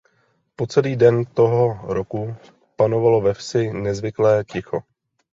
Po celý den toho roku panovalo ve vsi nezvyklé ticho.